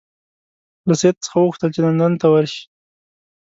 له سید څخه وغوښتل چې لندن ته ورشي.